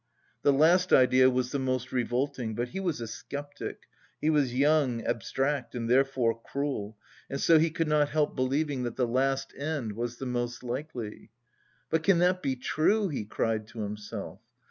The last idea was the most revolting, but he was a sceptic, he was young, abstract, and therefore cruel, and so he could not help believing that the last end was the most likely. "But can that be true?" he cried to himself.